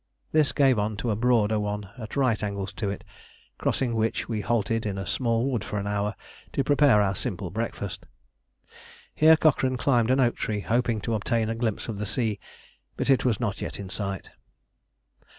This gave on to a broader one at right angles to it; crossing which we halted in a small wood for an hour to prepare our simple breakfast. Here Cochrane climbed an oak tree hoping to obtain a glimpse of the sea, but it was not yet in sight.